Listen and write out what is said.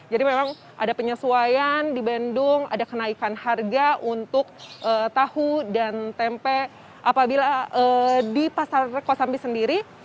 memang ada penyesuaian di bandung ada kenaikan harga untuk tahu dan tempe apabila di pasar kosambi sendiri